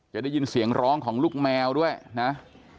จะได้ยินเสียงร้องของลูกแมวด้วยนะ